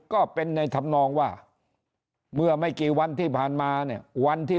ก็เป็นในธรรมนองว่าเมื่อไม่กี่วันที่ผ่านมาเนี่ยวันที่